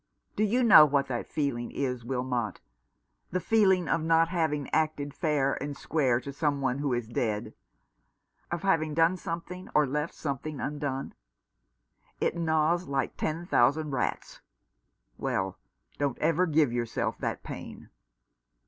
Do you know what that feeling is, Wilmot, the feeling of not having acted fair and square to some one who is dead — of having done something, or left something undone ? It gnaws like ten thousand rats. Well, don't ever give yourself that pain."